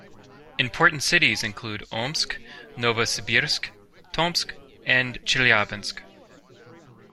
Important cities include Omsk, Novosibirsk, Tomsk and Chelyabinsk.